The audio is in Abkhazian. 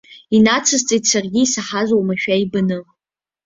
Инацысҵеит саргьы, исаҳаз уамашәа ибаны.